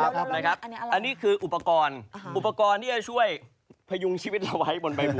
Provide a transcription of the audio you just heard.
แล้วเรานี่อะไรอันนี้คืออุปกรณ์อุปกรณ์ที่จะช่วยพยุงชีวิตเราไว้บนใบบัว